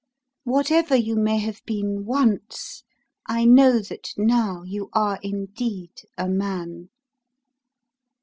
Whatever you may have been once, I know that now you are indeed a man!"